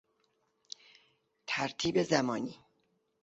ترتیب زمانی